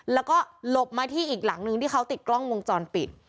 แล้วก็หลบมาที่อีกหลังนึงที่เขาติดกล้องวงจรปิด